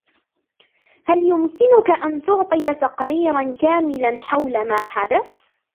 هل يمكنك أن تعطي تقريراً كاملاً حول ما حدث؟